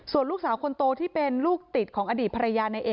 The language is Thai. ส่วนลูกสาวคนโตที่เป็นลูกติดของอดีตภรรยาในเอ